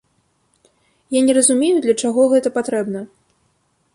Я не разумею, для чаго гэта патрэбна.